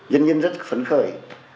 dân dân rất phấn khởi